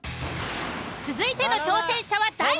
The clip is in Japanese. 続いての挑戦者は大輔くん。